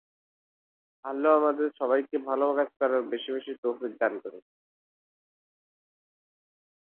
কিন্তু তিনি আট মাসের বেশি ক্ষমতায় ছিলেন না।